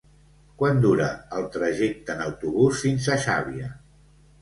Quant dura el trajecte en autobús fins a Xàbia?